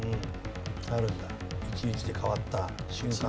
あるんだ１日で変わった瞬間が。